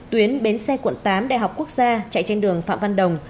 tuyến bến xe quận tám đại học quốc gia chạy trên đường phạm văn đồng